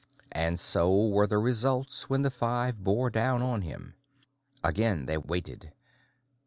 And so were the results when the five bore down on him. Again they waited.